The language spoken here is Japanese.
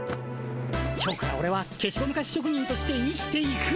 今日からオレはけしゴムカスしょくにんとして生きていく。